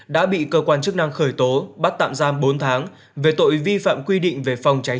một nghìn chín trăm bảy mươi chín đã bị cơ quan chức năng khởi tố bắt tạm giam bốn tháng về tội vi phạm quy định về phòng cháy